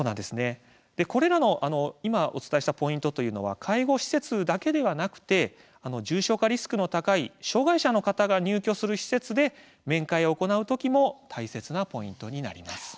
今お伝えしたポイントというのは介護施設だけではなくて重症化リスクの高い障害者の方が入る施設で面会を行う時も大切なポイントです。